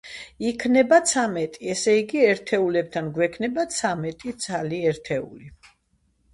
იქნება ცამეტი, ესე იგი, ერთეულებთან გვექნება ცამეტი ცალი ერთეული.